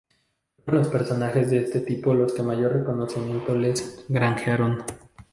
Fueron los personajes de este tipo los que mayor reconocimiento le granjearon.